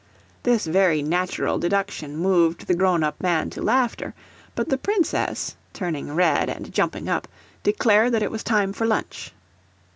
This very natural deduction moved the grown up man to laughter; but the Princess, turning red and jumping up, declared that it was time for lunch.